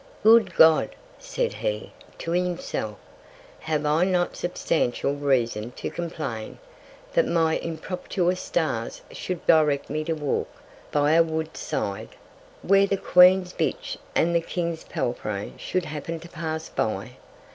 Good God! said he, to himself, have I not substantial Reason to complain, that my impropitious Stars should direct me to walk by a Wood's Side, where the Queen's Bitch and the King's Palfrey should happen to pass by?